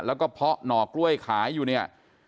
แล้วก็เพาะหน่อกล้วยขายอยู่เนี่ย